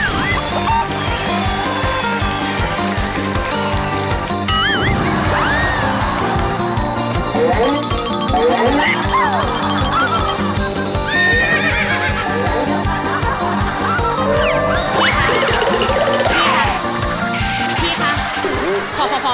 พี่คะพี่คะ